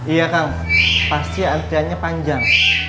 iya kang pasti latihannya panjang